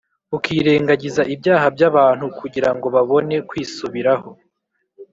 ukirengagiza ibyaha by’abantu kugira ngo babone kwisubiraho.